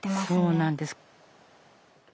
そうなんです。